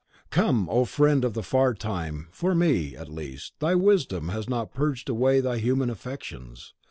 Come, O friend of the far time; for me, at least, thy wisdom has not purged away thy human affections.